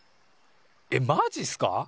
えっマジすか！？